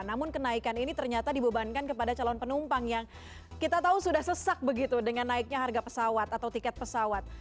namun kenaikan ini ternyata dibebankan kepada calon penumpang yang kita tahu sudah sesak begitu dengan naiknya harga pesawat atau tiket pesawat